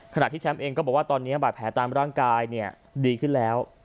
ที่แชมป์เองก็บอกว่าตอนนี้บาดแผลตามร่างกายดีขึ้นแล้ว